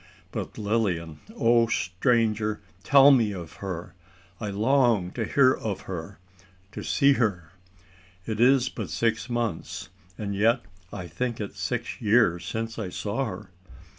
But, Lilian! O stranger! tell me of her! I long to hear of her to see her. It is but six months, and yet I think it six years, since I saw her.